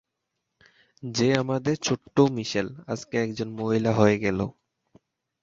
যে আমাদের ছোট্ট মিশেল আজকে একজন মহিলা হয়ে গেলো।